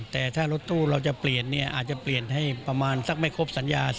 แต่ถ้ารถตู้เราจะเปลี่ยนเนี่ยอาจจะเปลี่ยนให้ประมาณสักไม่ครบสัญญา